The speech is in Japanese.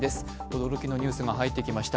驚きのニュースが入ってきました。